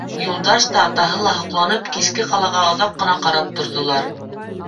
Юлдаш та, атаһы ла, һоҡланып, киске ҡалаға оҙаҡ ҡына ҡарап торҙолар.